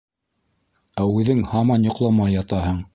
Ә үҙең һаман йоҡламай ятаһың!